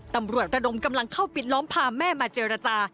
ตำรวจระดมกำลังเข้าปิดล้อมพาแม่มาเจรจา